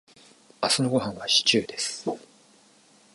明日のごはんはシチューです。